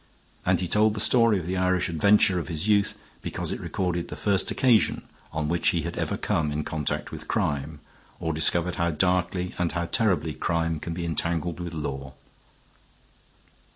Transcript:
And he told the story of the Irish adventure of his youth, because it recorded the first occasion on which he had ever come in contact with crime, or discovered how darkly and how terribly crime can be entangled with law.